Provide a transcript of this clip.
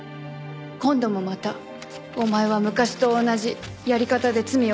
「今度もまたお前は昔と同じやり方で罪を犯した」